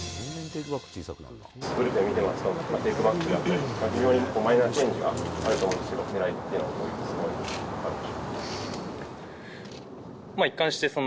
ブルペン見てますと、テイクバックだったり、微妙にマイナーチェンジがあると思うんですけど、ねらいってのはどんなところにあるんでしょう？